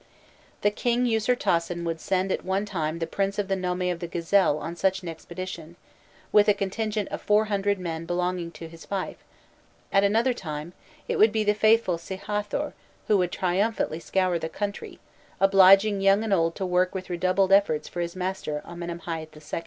The king Usirtasen would send at one time the prince of the nome of the Gazelle on such an expedition, with a contingent of four hundred men belonging to his fief; at another time, it would be the faithful Sihâthor who would triumphantly scour the country, obliging young and old to work with redoubled efforts for his master Amenemhâît II.